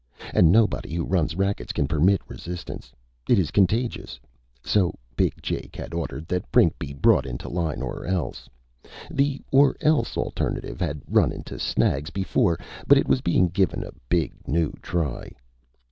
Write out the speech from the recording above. And nobody who runs rackets can permit resistance. It is contagious. So Big Jake had ordered that Brink be brought into line or else. The or else alternative had run into snags, before, but it was being given a big new try.